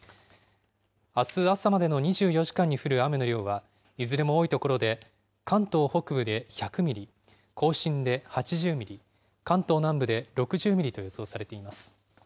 あす朝までの２４時間に降る雨の量は、いずれも多い所で関東北部で１００ミリ、甲信で８０ミリ、関東南部で６０ミリと予想されています。